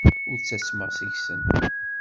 Ur ttasmeɣ seg-sen.